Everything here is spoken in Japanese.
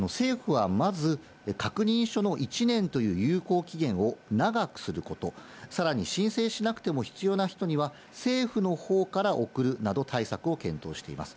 政府はまず、確認書の１年という有効期限を長くすること、さらに申請しなくても必要な人には、政府のほうから送るなど対策を検討しています。